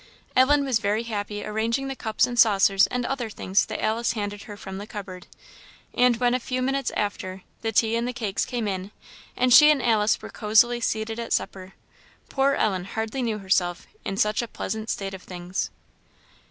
Ellen was very happy arranging the cups and saucers and other things that Alice handed her from the cupboard; and when, a few minutes after, the tea and the cakes came in, and she and Alice were cozily seated at supper, poor Ellen hardly knew herself, in such a pleasant state of things.